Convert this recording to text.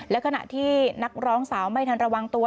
และขณะที่นักร้องสาวไม่ทันระวังตัว